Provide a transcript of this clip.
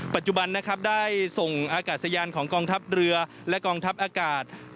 ปัจจุบันนะครับได้ส่งอากาศยานของกองทัพเรือและกองทัพอากาศ